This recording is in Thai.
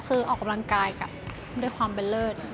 คือออกกำลังกายกับด้วยความเป็นเลิศ